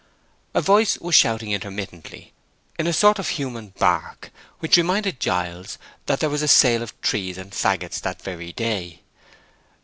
A voice was shouting intermittently in a sort of human bark, which reminded Giles that there was a sale of trees and fagots that very day.